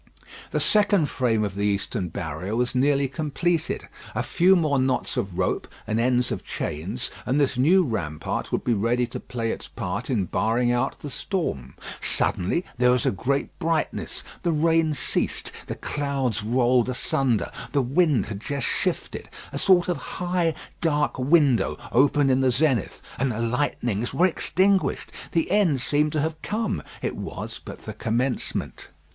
The second frame of the eastern barrier was nearly completed. A few more knots of rope and ends of chains and this new rampart would be ready to play its part in barring out the storm. Suddenly there was a great brightness; the rain ceased; the clouds rolled asunder; the wind had just shifted; a sort of high, dark window opened in the zenith, and the lightnings were extinguished. The end seemed to have come. It was but the commencement.